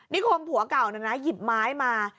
คมผัวเก่านะนะหยิบไม้มา